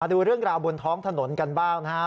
ดูเรื่องราวบนท้องถนนกันบ้างนะฮะ